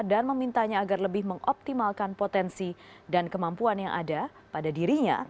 dan memintanya agar lebih mengoptimalkan potensi dan kemampuan yang ada pada dirinya